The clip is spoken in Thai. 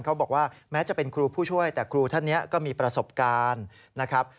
เขาบอกว่าแม้จะเป็นครูผู้ช่วยแต่ครูท่านนี้ก็มีประสบการณ์นะครับ